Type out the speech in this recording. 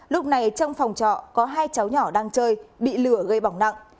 lúc này trong phòng trọ có hai cháu nhỏ đang chơi bị lửa gây bỏng nặng